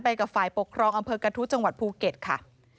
ไปกับฝ่ายปกครองอำเภคกระทุชจภูเก็ตค่ะ